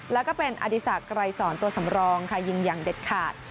แล้วก็เป็นอธิษฐะไกรศรตัวสำรองค่ะยิงอย่างเด็ดขาด